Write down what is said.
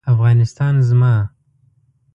افغانستان زما